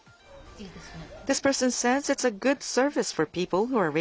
いいですね。